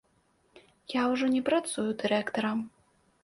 Я ўжо не працую дырэктарам.